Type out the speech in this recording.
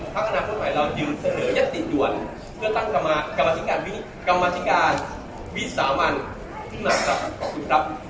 พศพศเราจึงเสนอยัตติด่วนเพื่อตั้งกรรมศิการวิสามารถที่มากกับคุณครับ